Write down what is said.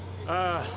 ああ。